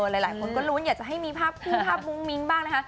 หลายคนก็ลุ้นอยากจะให้มีภาพคู่ภาพมุ้งมิ้งบ้างนะคะ